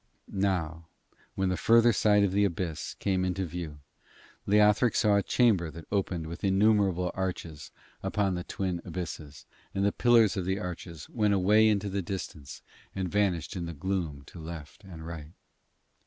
Now, when the further side of the abyss came into view, Leothric saw a chamber that opened with innumerable arches upon the twin abysses, and the pillars of the arches went away into the distance and vanished in the gloom to left and right.